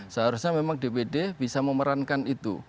seharusnya memang dpd bisa memerankan itu